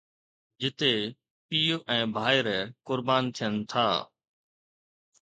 جتي پيءُ ۽ ڀائر قربان ٿين ٿا.